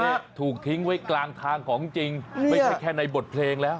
ถูกทิ้งไว้กลางทางของจริงไม่ใช่แค่ในบทเพลงแล้ว